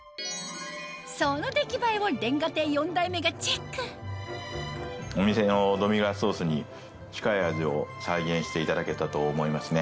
その出来栄えを瓦亭４代目がチェックお店のデミグラスソースに近い味を再現していただけたと思いますね。